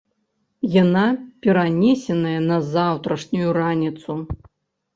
Яна перанесеная на заўтрашнюю раніцу.